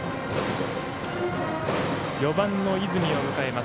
４番の和泉を迎えます。